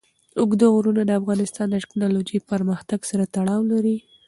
اوږده غرونه د افغانستان د تکنالوژۍ پرمختګ سره تړاو لري.